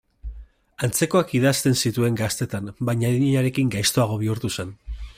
Antzekoak idazten zituen gaztetan baina adinarekin gaiztoago bihurtu zen.